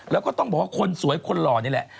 แล้วก็ต้องบอกว่าคนสวยคนหล่อนี่แหละ